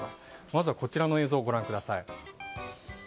まずはこちらの映像をご覧ください。